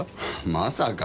まさか。